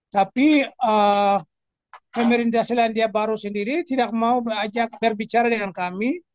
tapi pemerintah selandia baru sendiri tidak mau berbicara dengan kami